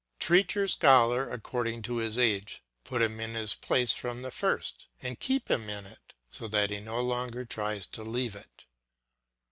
Treat your scholar according to his age. Put him in his place from the first, and keep him in it, so that he no longer tries to leave it.